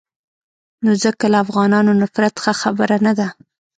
نو ځکه له افغانانو نفرت ښه خبره نه ده.